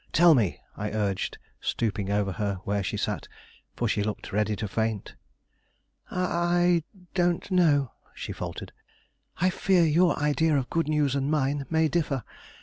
Tell me," I urged, stooping over her where she sat, for she looked ready to faint. "I don't know," she faltered; "I fear your idea of good news and mine may differ.